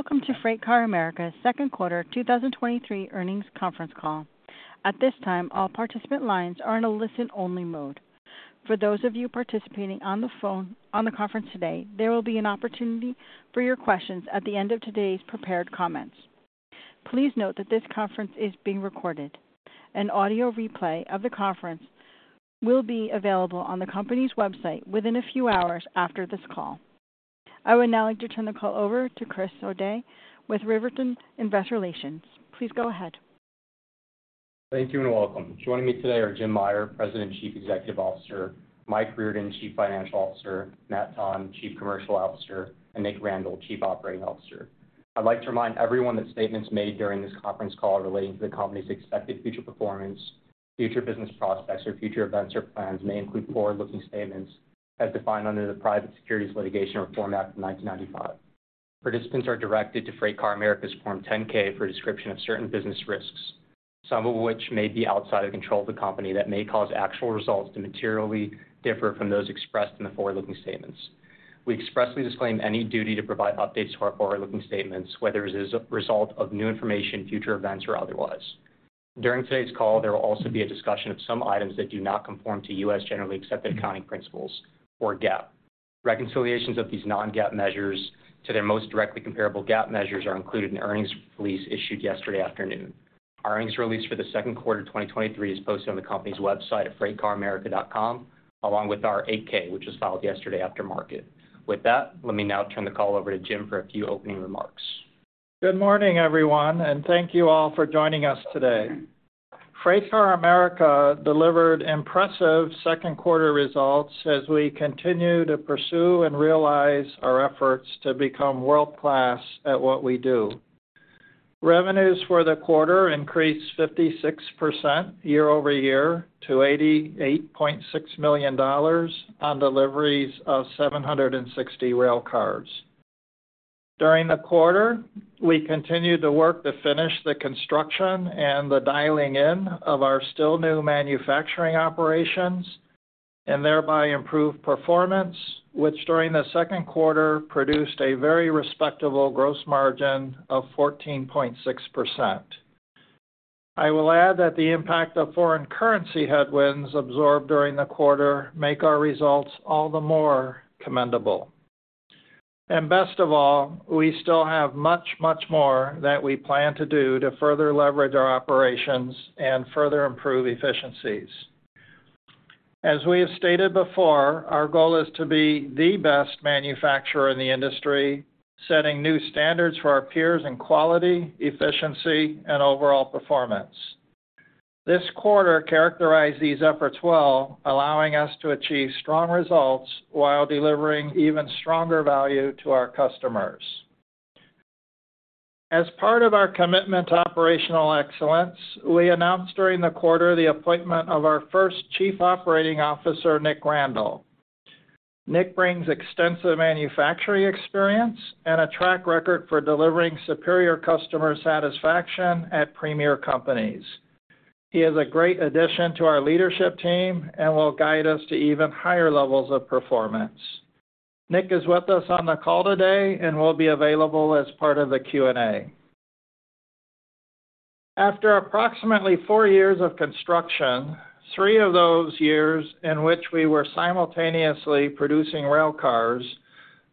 Welcome to FreightCar America's second quarter 2023 Earnings Conference Call. At this time, all participant lines are in a listen-only mode. For those of you participating on the conference today, there will be an opportunity for your questions at the end of today's prepared comments. Please note that this conference is being recorded. An audio replay of the conference will be available on the company's website within a few hours after this call. I would now like to turn the call over to Chris O'Dea with Veritone Investor Relations. Please go ahead. Thank you, and welcome. Joining me today are Jim Meyer, President and Chief Executive Officer, Mike Riordan, Chief Financial Officer, Matt Tonn, Chief Commercial Officer, and Nick Randall, Chief Operating Officer. I'd like to remind everyone that statements made during this conference call relating to the company's expected future performance, future business prospects, or future events or plans may include forward-looking statements as defined under the Private Securities Litigation Reform Act of 1995. Participants are directed to FreightCar America's Form 10-K for a description of certain business risks, some of which may be outside the control of the company, that may cause actual results to materially differ from those expressed in the forward-looking statements. We expressly disclaim any duty to provide updates to our forward-looking statements, whether it is a result of new information, future events, or otherwise. During today's call, there will also be a discussion of some items that do not conform to U.S. generally accepted accounting principles, or GAAP. Reconciliations of these non-GAAP measures to their most directly comparable GAAP measures are included in the earnings release issued yesterday afternoon. Our earnings release for the second quarter of 2023 is posted on the company's website at freightcaramerica.com, along with our 8-K, which was filed yesterday after market. With that, let me now turn the call over to Jim for a few opening remarks. Good morning, everyone, and thank you all for joining us today. FreightCar America delivered impressive second quarter results as we continue to pursue and realize our efforts to become world-class at what we do. Revenues for the quarter increased 56% year-over-year to $88.6 million on deliveries of 760 railcars. During the quarter, we continued to work to finish the construction and the dialing in of our still new manufacturing operations and thereby improve performance, which during the second quarter produced a very respectable gross margin of 14.6%. I will add that the impact of foreign currency headwinds absorbed during the quarter make our results all the more commendable. Best of all, we still have much, much more that we plan to do to further leverage our operations and further improve efficiencies. As we have stated before, our goal is to be the best manufacturer in the industry, setting new standards for our peers in quality, efficiency, and overall performance. This quarter characterized these efforts well, allowing us to achieve strong results while delivering even stronger value to our customers. As part of our commitment to operational excellence, we announced during the quarter the appointment of our first Chief Operating Officer, Nick Randall. Nick brings extensive manufacturing experience and a track record for delivering superior customer satisfaction at premier companies. He is a great addition to our leadership team and will guide us to even higher levels of performance. Nick is with us on the call today and will be available as part of the Q&A. After approximately 4 years of construction, 3 of those years in which we were simultaneously producing railcars,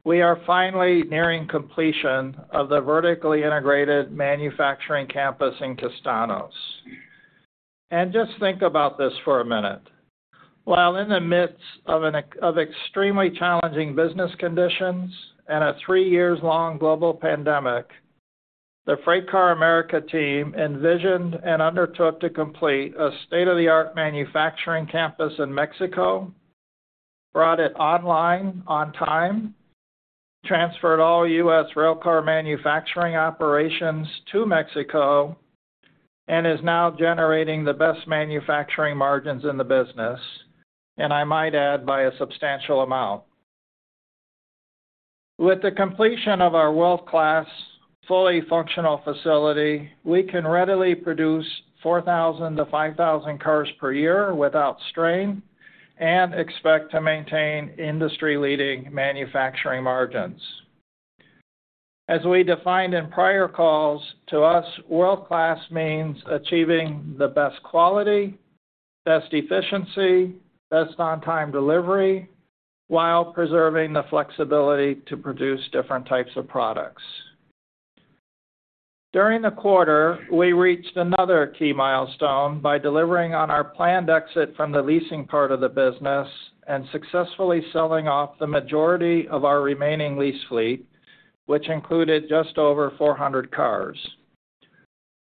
we are finally nearing completion of the vertically integrated manufacturing campus in Castaños. Just think about this for a minute. While in the midst of extremely challenging business conditions and a 3-years long global pandemic, the FreightCar America team envisioned and undertook to complete a state-of-the-art manufacturing campus in Mexico, brought it online on time, transferred all US railcar manufacturing operations to Mexico, and is now generating the best manufacturing margins in the business, and I might add, by a substantial amount. With the completion of our world-class, fully functional facility, we can readily produce 4,000-5,000 cars per year without strain and expect to maintain industry-leading manufacturing margins. As we defined in prior calls, to us, world-class means achieving the best quality, best efficiency, best on-time delivery, while preserving the flexibility to produce different types of products. During the quarter, we reached another key milestone by delivering on our planned exit from the leasing part of the business and successfully selling off the majority of our remaining lease fleet, which included just over 400 cars.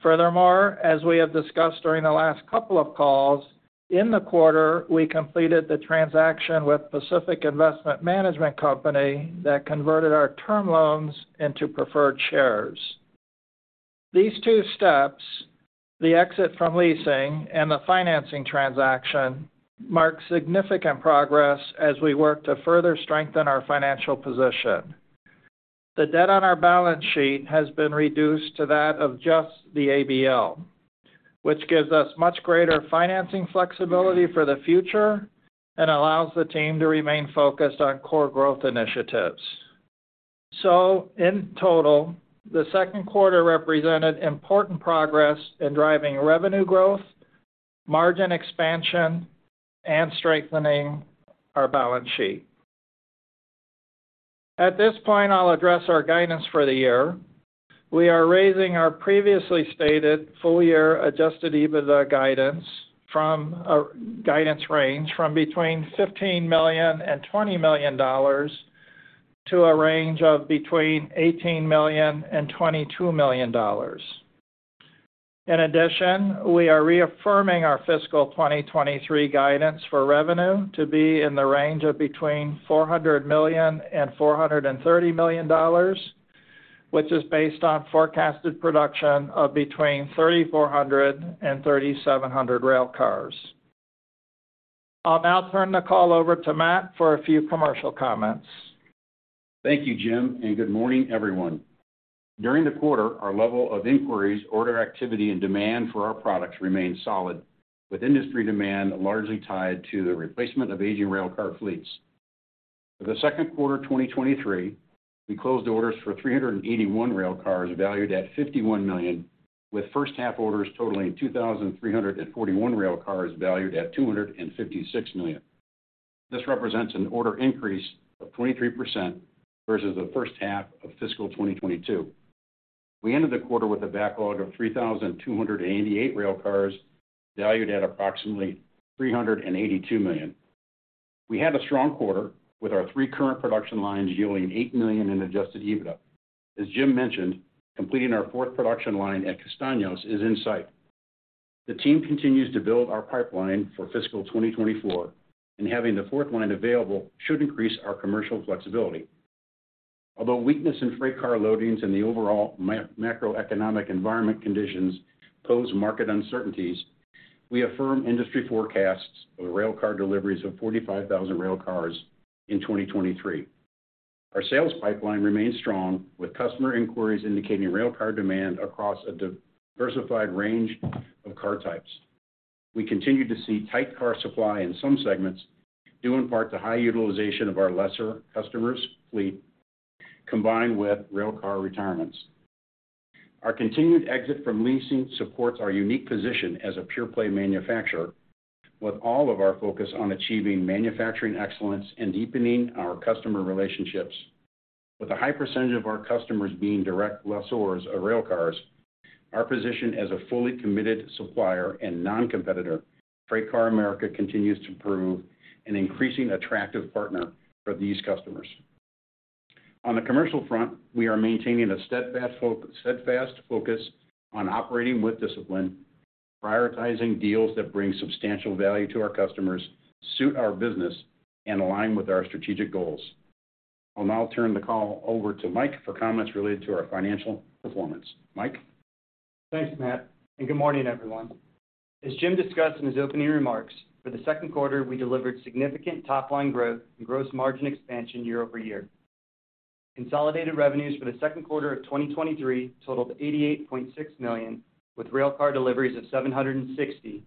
Furthermore, as we have discussed during the last couple of calls, in the quarter, we completed the transaction with Pacific Investment Management Company that converted our term loans into preferred shares. These two steps, the exit from leasing and the financing transaction, mark significant progress as we work to further strengthen our financial position. The debt on our balance sheet has been reduced to that of just the ABL... which gives us much greater financing flexibility for the future and allows the team to remain focused on core growth initiatives. In total, the second quarter represented important progress in driving revenue growth, margin expansion, and strengthening our balance sheet. At this point, I'll address our guidance for the year. We are raising our previously stated full year Adjusted EBITDA guidance from a guidance range from between $15 million and $20 million to a range of between $18 million and $22 million. In addition, we are reaffirming our fiscal 2023 guidance for revenue to be in the range of between $400 million and $430 million, which is based on forecasted production of between 3,400 and 3,700 railcars. I'll now turn the call over to Matt for a few commercial comments. Thank you, Jim, and good morning, everyone. During the quarter, our level of inquiries, order activity, and demand for our products remained solid, with industry demand largely tied to the replacement of aging railcar fleets. For the second quarter of 2023, we closed orders for 381 railcars valued at $51 million, with first half orders totaling 2,341 railcars, valued at $256 million. This represents an order increase of 23% versus the first half of fiscal 2022. We ended the quarter with a backlog of 3,288 railcars, valued at approximately $382 million. We had a strong quarter, with our three current production lines yielding $8 million in Adjusted EBITDA. As Jim mentioned, completing our fourth production line at Castaños is in sight. The team continues to build our pipeline for fiscal 2024, and having the fourth line available should increase our commercial flexibility. Although weakness in freight car loadings and the overall macroeconomic environment conditions pose market uncertainties, we affirm industry forecasts for railcar deliveries of 45,000 railcars in 2023. Our sales pipeline remains strong, with customer inquiries indicating railcar demand across a diversified range of car types. We continue to see tight car supply in some segments, due in part to high utilization of our lesser customers' fleet, combined with railcar retirements. Our continued exit from leasing supports our unique position as a pure-play manufacturer, with all of our focus on achieving manufacturing excellence and deepening our customer relationships. With a high percentage of our customers being direct lessors of railcars, our position as a fully committed supplier and non-competitor, FreightCar America continues to prove an increasingly attractive partner for these customers. On the commercial front, we are maintaining a steadfast focus on operating with discipline, prioritizing deals that bring substantial value to our customers, suit our business, and align with our strategic goals. I'll now turn the call over to Mike for comments related to our financial performance. Mike? Thanks, Matt, and good morning, everyone. As Jim discussed in his opening remarks, for the second quarter, we delivered significant top-line growth and gross margin expansion year-over-year. Consolidated revenues for the second quarter of 2023 totaled $88.6 million, with railcar deliveries of 760,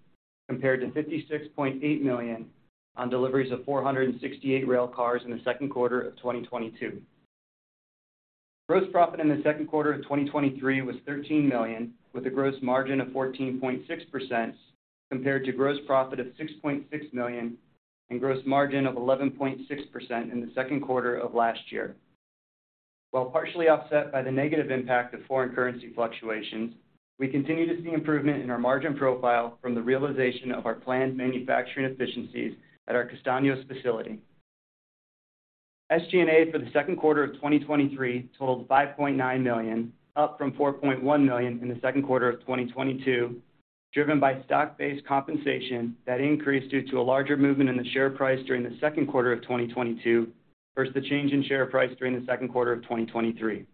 compared to $56.8 million on deliveries of 468 railcars in the second quarter of 2022. Gross profit in the second quarter of 2023 was $13 million, with a gross margin of 14.6%, compared to gross profit of $6.6 million and gross margin of 11.6% in the second quarter of last year. While partially offset by the negative impact of foreign currency fluctuations, we continue to see improvement in our margin profile from the realization of our planned manufacturing efficiencies at our Castaños facility. SG&A for the second quarter of 2023 totaled $5.9 million, up from $4.1 million in the second quarter of 2022, driven by stock-based compensation that increased due to a larger movement in the share price during the second quarter of 2022 versus the change in share price during the second quarter of 2023.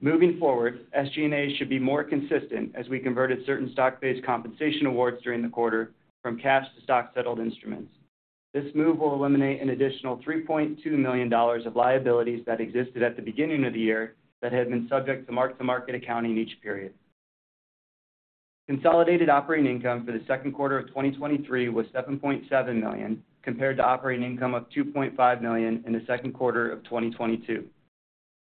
Moving forward, SG&A should be more consistent as we converted certain stock-based compensation awards during the quarter from cash to stock settled instruments. This move will eliminate an additional $3.2 million of liabilities that existed at the beginning of the year that had been subject to mark-to-market accounting each period. Consolidated operating income for the second quarter of 2023 was $7.7 million, compared to operating income of $2.5 million in the second quarter of 2022.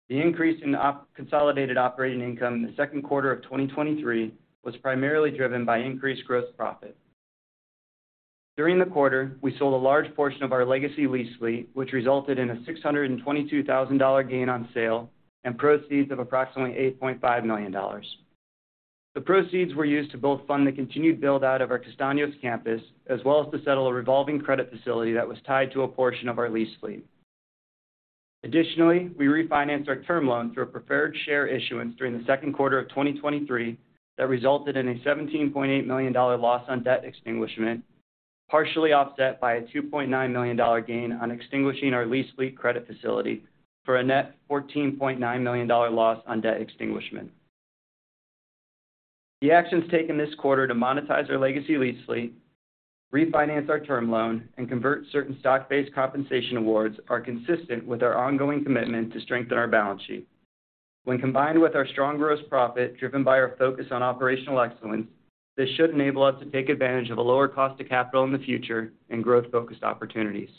The increase in consolidated operating income in the second quarter of 2023 was primarily driven by increased gross profit. During the quarter, we sold a large portion of our legacy lease fleet, which resulted in a $622,000 gain on sale and proceeds of approximately $8.5 million. The proceeds were used to both fund the continued build-out of our Castaños campus, as well as to settle a revolving credit facility that was tied to a portion of our lease fleet. Additionally, we refinanced our term loan through a preferred share issuance during the second quarter of 2023 that resulted in a $17.8 million loss on debt extinguishment, partially offset by a $2.9 million gain on extinguishing our lease fleet credit facility for a net $14.9 million loss on debt extinguishment. The actions taken this quarter to monetize our legacy lease fleet, refinance our term loan and convert certain stock-based compensation awards are consistent with our ongoing commitment to strengthen our balance sheet. When combined with our strong gross profit, driven by our focus on operational excellence, this should enable us to take advantage of a lower cost of capital in the future and growth-focused opportunities.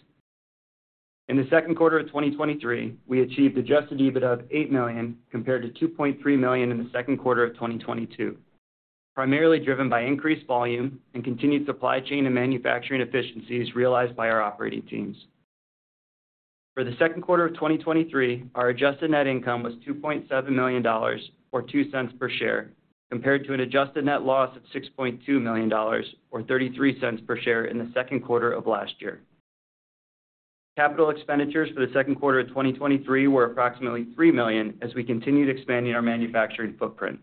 In the second quarter of 2023, we achieved Adjusted EBITDA of $8 million, compared to $2.3 million in the second quarter of 2022, primarily driven by increased volume and continued supply chain and manufacturing efficiencies realized by our operating teams. For the second quarter of 2023, our adjusted net income was $2.7 million, or $0.02 per share, compared to an adjusted net loss of $6.2 million, or $0.33 per share in the second quarter of last year. Capital expenditures for the second quarter of 2023 were approximately $3 million, as we continued expanding our manufacturing footprint.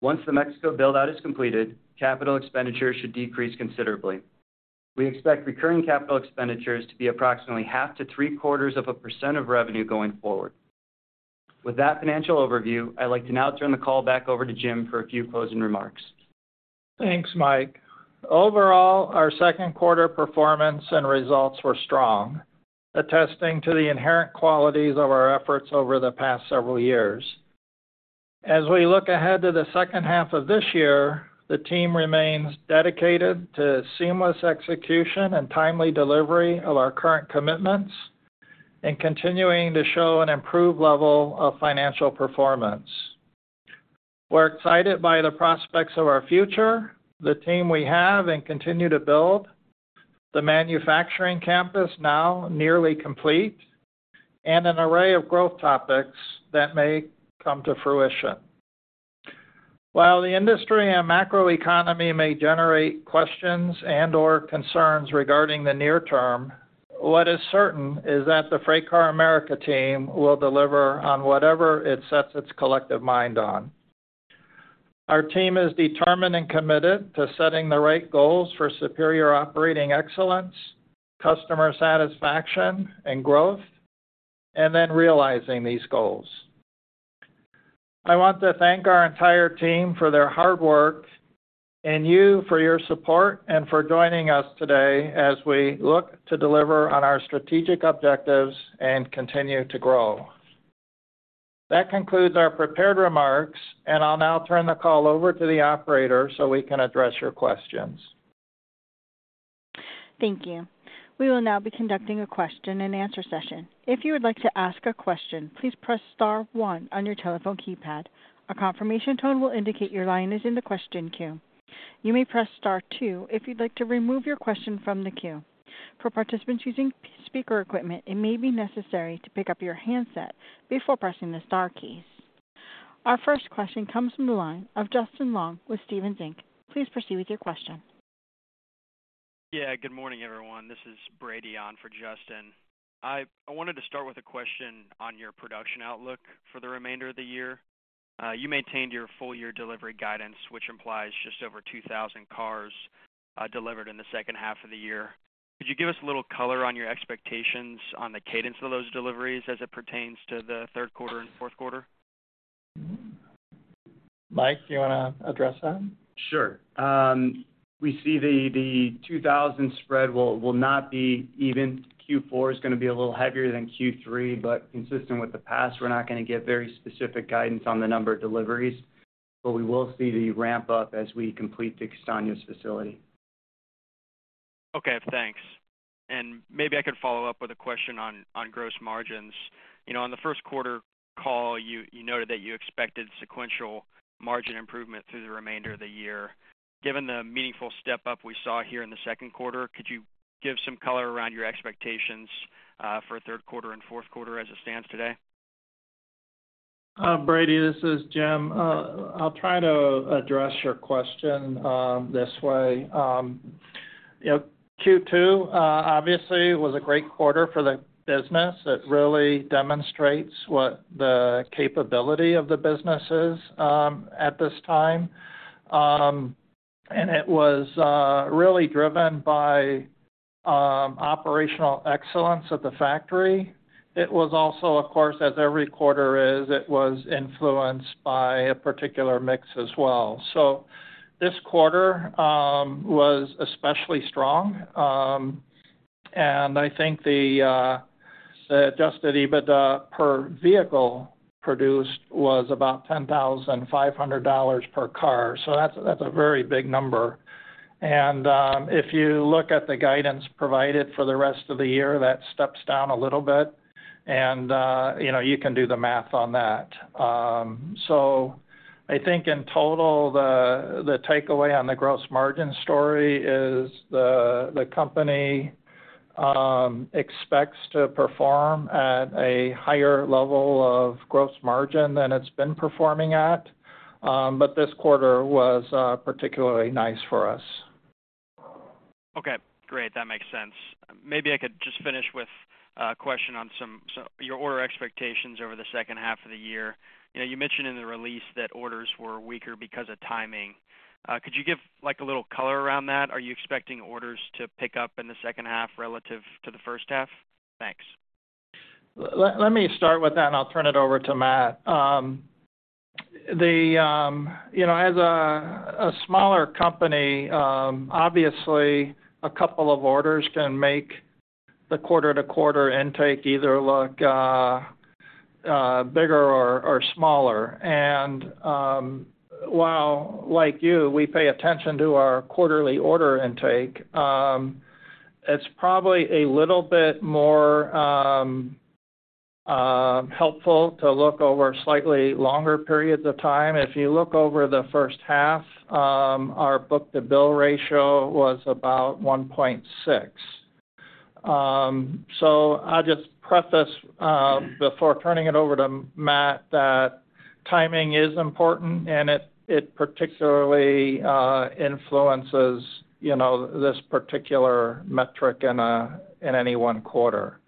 Once the Mexico build-out is completed, capital expenditures should decrease considerably. We expect recurring capital expenditures to be approximately 0.5%-0.75% of revenue going forward. With that financial overview, I'd like to now turn the call back over to Jim for a few closing remarks. Thanks, Mike. Overall, our second quarter performance and results were strong, attesting to the inherent qualities of our efforts over the past several years. As we look ahead to the second half of this year, the team remains dedicated to seamless execution and timely delivery of our current commitments and continuing to show an improved level of financial performance. We're excited by the prospects of our future, the team we have and continue to build, the manufacturing campus now nearly complete, and an array of growth topics that may come to fruition. While the industry and macroeconomy may generate questions and/or concerns regarding the near term, what is certain is that the FreightCar America team will deliver on whatever it sets its collective mind on. Our team is determined and committed to setting the right goals for superior operating excellence, customer satisfaction, and growth, and then realizing these goals. I want to thank our entire team for their hard work and you for your support and for joining us today as we look to deliver on our strategic objectives and continue to grow. That concludes our prepared remarks, and I'll now turn the call over to the operator so we can address your questions. Thank you. We will now be conducting a question-and-answer session. If you would like to ask a question, please press star one on your telephone keypad. A confirmation tone will indicate your line is in the question queue. You may press star two if you'd like to remove your question from the queue. For participants using speaker equipment, it may be necessary to pick up your handset before pressing the star keys. Our first question comes from the line of Justin Long with Stephens Inc. Please proceed with your question. Yeah, good morning, everyone. This is Brady on for Justin. I wanted to start with a question on your production outlook for the remainder of the year. You maintained your full year delivery guidance, which implies just over 2,000 cars delivered in the second half of the year. Could you give us a little color on your expectations on the cadence of those deliveries as it pertains to the third quarter and fourth quarter? Mike, do you want to address that? Sure. We see the 2000 spread will not be even. Q4 is going to be a little heavier than Q3, but consistent with the past, we're not going to give very specific guidance on the number of deliveries, but we will see the ramp up as we complete the Castaños facility. Okay, thanks. Maybe I could follow up with a question on, on gross margins. You know, on the first quarter call, you, you noted that you expected sequential margin improvement through the remainder of the year. Given the meaningful step-up we saw here in the second quarter, could you give some color around your expectations, for third quarter and fourth quarter as it stands today? Brady, this is Jim. I'll try to address your question this way. You know, Q2, obviously, was a great quarter for the business. It really demonstrates what the capability of the business is at this time. It was really driven by operational excellence at the factory. It was also, of course, as every quarter is, it was influenced by a particular mix as well. This quarter was especially strong. I think the Adjusted EBITDA per vehicle produced was about $10,500 per car, so that's, that's a very big number. If you look at the guidance provided for the rest of the year, that steps down a little bit, and, you know, you can do the math on that. I think in total, the, the takeaway on the gross margin story is the, the company expects to perform at a higher level of gross margin than it's been performing at, but this quarter was particularly nice for us. Okay, great. That makes sense. Maybe I could just finish with a question on some, your order expectations over the second half of the year. You know, you mentioned in the release that orders were weaker because of timing. Could you give, like, a little color around that? Are you expecting orders to pick up in the second half relative to the first half? Thanks. Let me start with that, and I'll turn it over to Matt. The, you know, as a smaller company, obviously, a couple of orders can make the quarter-to-quarter intake either look bigger or smaller. While, like you, we pay attention to our quarterly order intake, it's probably a little bit more helpful to look over slightly longer periods of time. If you look over the first half, our book-to-bill ratio was about 1.6. I'll just preface, before turning it over to Matt, that timing is important, and it, it particularly influences, you know, this particular metric in any one quarter.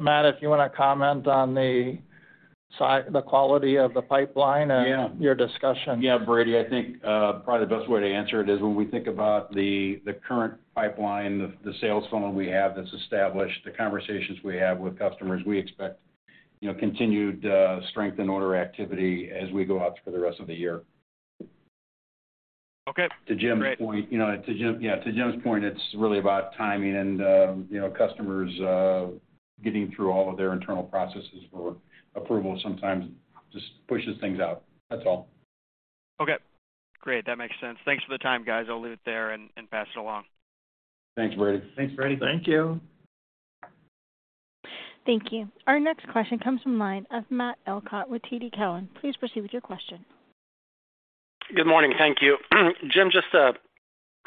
Matt, if you want to comment on the quality of the pipeline and. Yeah your discussion. Yeah, Brady, I think, probably the best way to answer it is when we think about the, the current pipeline, the, the sales funnel we have that's established, the conversations we have with customers, we expect, you know, continued, strength in order activity as we go out for the rest of the year. Okay, great. To Jim's point, you know, to Jim's point, it's really about timing and, you know, customers, getting through all of their internal processes for approval sometimes just pushes things out. That's all. Okay, great. That makes sense. Thanks for the time, guys. I'll leave it there and, and pass it along. Thanks, Brady. Thanks, Brady. Thank you. Thank you. Our next question comes from line of Matt Elkott with TD Cowen. Please proceed with your question. Good morning. Thank you. Jim, just,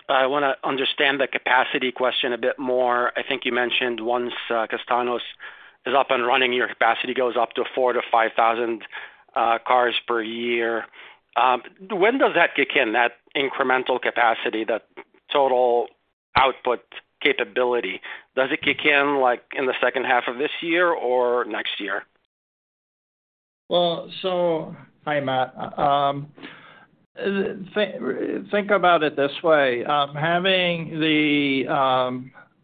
I want to understand the capacity question a bit more. I think you mentioned once, Castaños is up and running, your capacity goes up to 4,000-5,000 cars per year. When does that kick in, that incremental capacity, that total output capability? Does it kick in, like, in the second half of this year or next year? Well, Hi, Matt. Think, think about it this way, having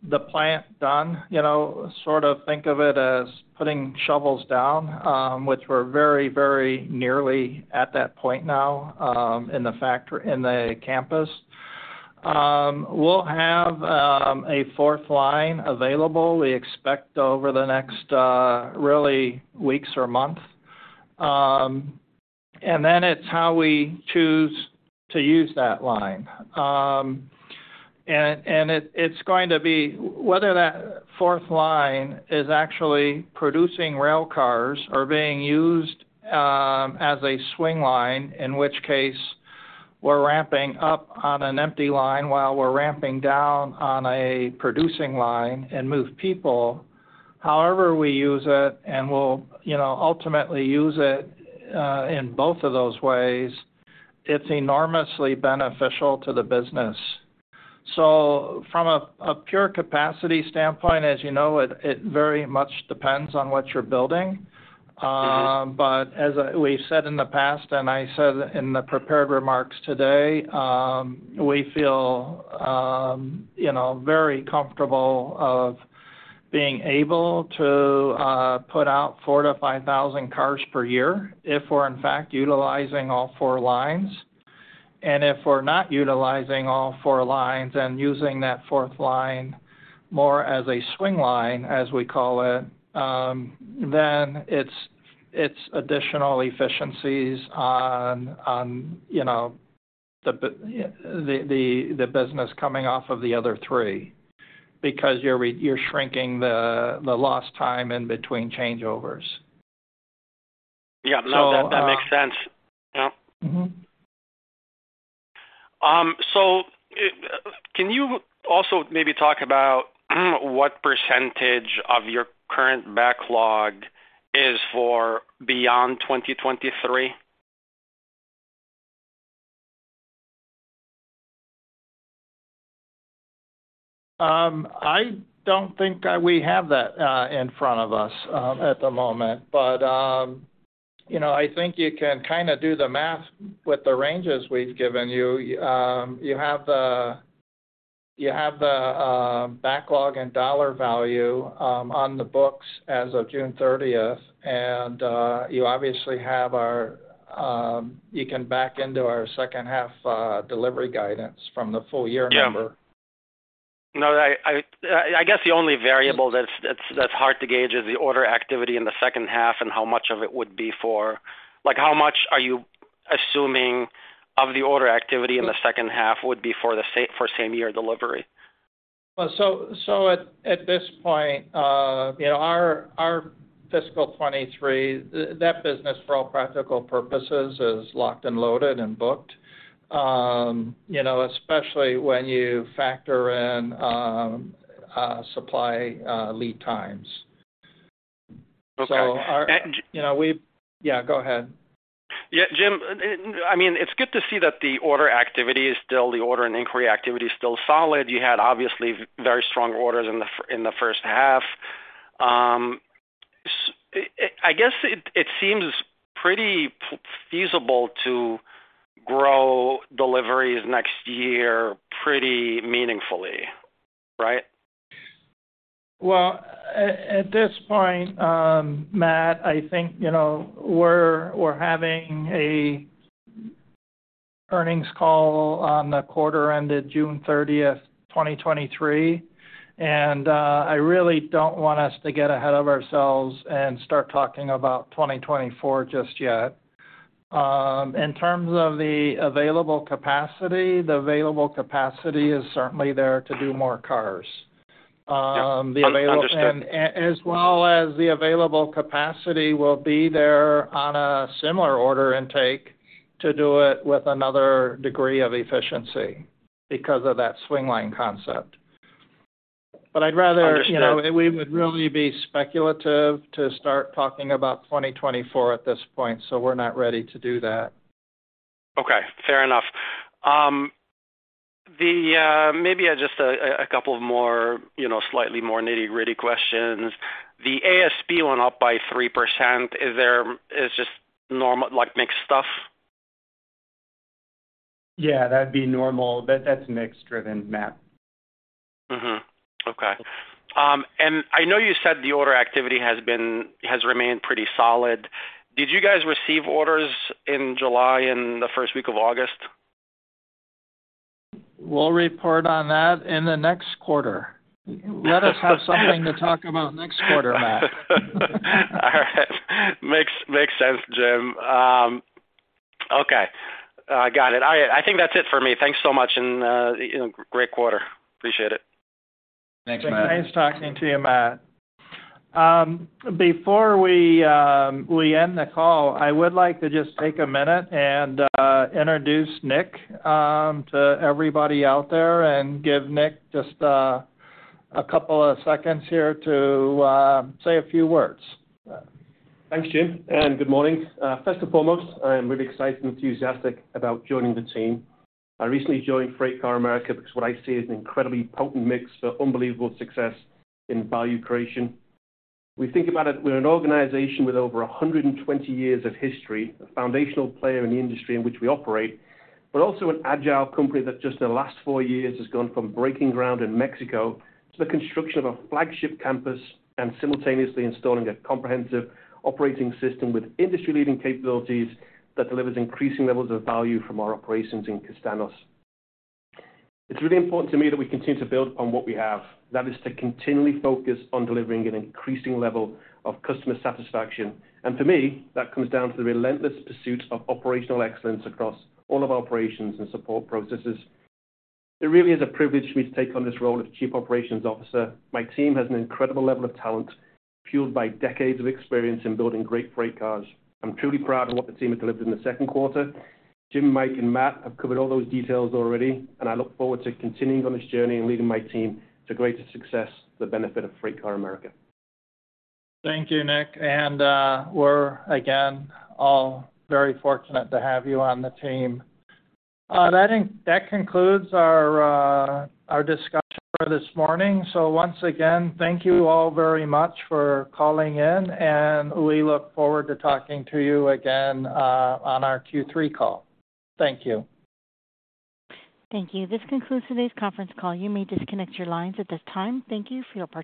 the plant done, you know, sort of think of it as putting shovels down, which we're very, very nearly at that point now, in the campus. We'll have a fourth line available, we expect over the next, really, weeks or month. Then it's how we choose to use that line. And it, it's going to be whether that fourth line is actually producing rail cars or being used as a swing line, in which case we're ramping up on an empty line while we're ramping down on a producing line and move people. However, we use it, and we'll, you know, ultimately use it in both of those ways, it's enormously beneficial to the business. From a pure capacity standpoint, as you know, it very much depends on what you're building. It is. As we've said in the past, and I said in the prepared remarks today, we feel, you know, very comfortable of being able to put out 4,000-5,000 cars per year if we're, in fact, utilizing all 4 lines. If we're not utilizing all 4 lines and using that 4th line more as a swing line, as we call it, then it's, it's additional efficiencies on, on, you know, the, the, the business coming off of the other 3 because you're shrinking the, the lost time in between changeovers. Yeah, no. So, uh- that makes sense. Yeah. Mm-hmm. Can you also maybe talk about, what % of your current backlog is for beyond 2023? I don't think we have that in front of us at the moment. You know, I think you can kind of do the math with the ranges we've given you. You have the, you have the backlog and dollar value on the books as of June 30th, and you obviously have our you can back into our second half delivery guidance from the full year number. Yeah. No, I guess the only variable that's hard to gauge is the order activity in the second half and how much of it would be Like, how much are you assuming of the order activity in the second half would be for same-year delivery? Well, so, so at, at this point, you know, our, our fiscal 2023, that business, for all practical purposes, is locked and loaded and booked. You know, especially when you factor in, supply, lead times. Okay. Our. You know, Yeah, go ahead. Yeah, Jim, I mean, it's good to see that the order activity is still, the order and inquiry activity is still solid. You had obviously very strong orders in the first half. I, I guess it, it seems pretty feasible to grow deliveries next year pretty meaningfully, right? Well, at this point, Matt, I think, you know, we're, we're having an earnings call on the quarter ended June 30th, 2023, and I really don't want us to get ahead of ourselves and start talking about 2024 just yet. In terms of the available capacity, the available capacity is certainly there to do more cars. Understood. As well as the available capacity will be there on a similar order intake to do it with another degree of efficiency because of that swing line concept. I'd rather- Understood. You know, we would really be speculative to start talking about 2024 at this point. We're not ready to do that. Okay, fair enough. Maybe just a couple of more, you know, slightly more nitty-gritty questions. The ASP went up by 3%. Is there just normal, like, mixed stuff? Yeah, that'd be normal. That, that's mixed driven, Matt. Mm-hmm. Okay. I know you said the order activity has remained pretty solid. Did you guys receive orders in July and the first week of August? We'll report on that in the next quarter. Let us have something to talk about next quarter, Matt. All right. Makes, makes sense, Jim. Okay, I got it. I, I think that's it for me. Thanks so much, and great quarter. Appreciate it. Thanks, Matt. Nice talking to you, Matt. Before we end the call, I would like to just take a minute and introduce Nick to everybody out there and give Nick just a couple of seconds here to say a few words. Thanks, Jim, and good morning. First and foremost, I am really excited and enthusiastic about joining the team. I recently joined FreightCar America because what I see is an incredibly potent mix for unbelievable success in value creation. We think about it, we're an organization with over 120 years of history, a foundational player in the industry in which we operate, but also an agile company that just in the last four years has gone from breaking ground in Mexico to the construction of a flagship campus and simultaneously installing a comprehensive operating system with industry-leading capabilities that delivers increasing levels of value from our operations in Castaños. It's really important to me that we continue to build on what we have. That is, to continually focus on delivering an increasing level of customer satisfaction. For me, that comes down to the relentless pursuit of operational excellence across all of our operations and support processes. It really is a privilege for me to take on this role as Chief Operating Officer. My team has an incredible level of talent, fueled by decades of experience in building great freight cars. I'm truly proud of what the team has delivered in the second quarter. Jim, Mike, and Matt have covered all those details already. I look forward to continuing on this journey and leading my team to greater success for the benefit of FreightCar America. Thank you, Nick, and we're again, all very fortunate to have you on the team. That concludes our discussion for this morning. Once again, thank you all very much for calling in, and we look forward to talking to you again on our Q3 call. Thank you. Thank you. This concludes today's conference call. You may disconnect your lines at this time. Thank you for your participation.